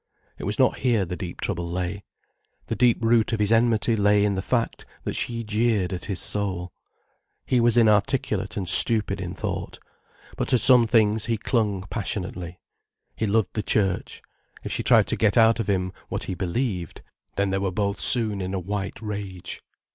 It was not here the deep trouble lay. The deep root of his enmity lay in the fact that she jeered at his soul. He was inarticulate and stupid in thought. But to some things he clung passionately. He loved the Church. If she tried to get out of him, what he believed, then they were both soon in a white rage.